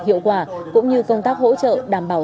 hiệu quả cũng như công tác hỗ trợ đảm bảo